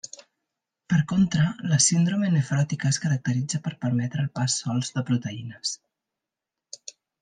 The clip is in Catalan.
Per contra, la síndrome nefròtica es caracteritza per permetre el pas sols de proteïnes.